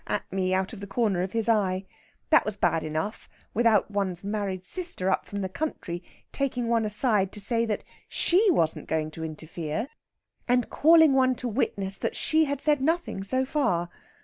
at me out of the corner of his eye. That was bad enough, without one's married sister up from the country taking one aside to say that she wasn't going to interfere, and calling one to witness that she had said nothing so far.